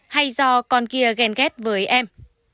hay do con kia ghen ghét với em